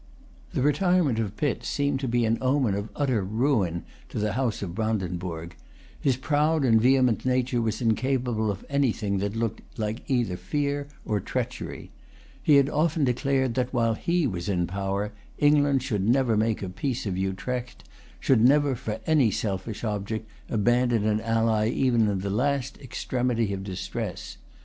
The retirement of Pitt seemed to be an omen of utter ruin to the House of Brandenburg. His proud and vehement nature was incapable of anything that looked like either fear or treachery. He had often declared that, while he was in power, England should never make a peace of Utrecht, should never, for any selfish object, abandon an ally even in the last extremity of distress.